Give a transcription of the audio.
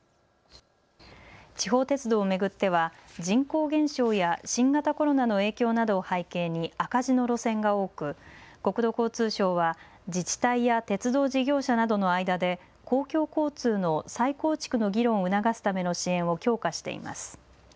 地方鉄道を巡っては人口減少や新型コロナの影響などを背景に赤字の路線が多く国土交通省は自治体や鉄道事業者などの間で公共交通の再構築の議論を促すための支援を強化しています。